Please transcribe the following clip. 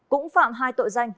cũng phạm hai tội danh